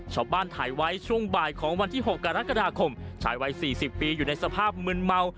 หลังปีอยู่ในสภาพมืนเมา